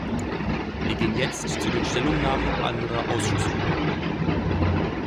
Wir gehen jetzt zu den Stellungnahmen anderer Ausschüsse über.